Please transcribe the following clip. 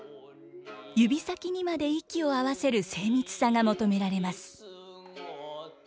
指先にまで息を合わせる精密さが求められます。